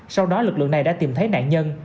sau đó lực lượng này đã tìm thấy nạn nhân